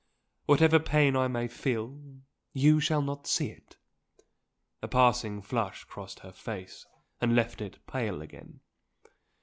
Whatever pain I may feel, you shall not see it!" A passing flush crossed her face, and left it pale again.